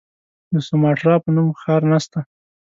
د سوماټرا په نوم ښار نسته.